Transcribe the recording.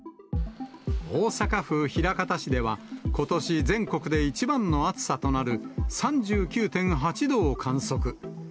大阪府枚方市では、ことし全国で一番の暑さとなる３９．８度を観測。